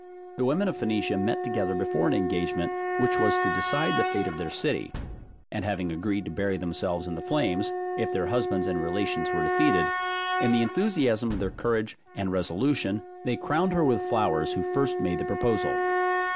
The women of Phoenicia met together before an engagement which was to decide the fate of their city, and having agreed to bury themselves in the flames, if their husbands and relations were defeated, in the enthusiasm of their courage and resolution, they crowned her with flowers who first made the proposal.